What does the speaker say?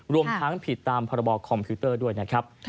รวมทั้งผิดตามพรบคอมพิวเตอร์ด้วยนะครับ